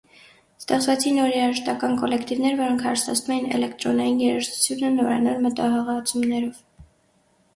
Ստեղծվեցին նոր երաժշտական կոլեկտիվներ, որոնք հարստանցում էին էլեկտրոնային երաժշտությունը նորանոր մտահղացումներով։